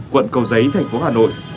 quận cầu giấy thành phố hà nội